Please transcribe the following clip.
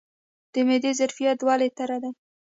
د معدې ظرفیت دوه لیټره دی.